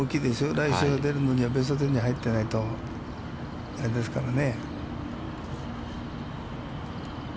来週出るのにはベスト１０に入ってないとあれですからね。